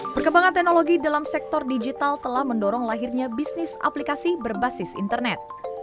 perkembangan teknologi dalam sektor digital telah mendorong lahirnya bisnis aplikasi berbasis internet